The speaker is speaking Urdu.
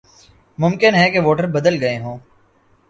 ممکن ہے کہ ووٹر بدل گئے ہوں۔